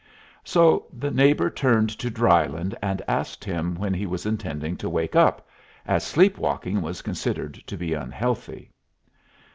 So the neighbor turned to Drylyn and asked him when he was intending to wake up, as sleep walking was considered to be unhealthy.